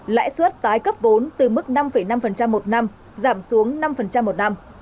lãi suất tái cấp vốn từ mức năm năm một năm giảm xuống năm một năm